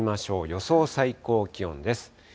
予想最高気温です。